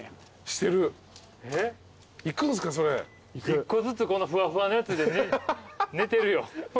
１個ずつこのふわふわのやつで寝てるよ。